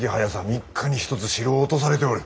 ３日に一つ城を落とされておる。